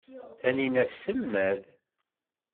Taninna tesselmad.